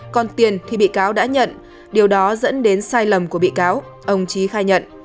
còn tiền thì bị cáo đã nhận điều đó dẫn đến sai lầm của bị cáo ông trí khai nhận